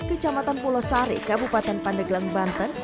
kecamatan pulau sari kabupaten pandeglang banten